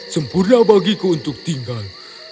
sempurna bagiku untuk tinggal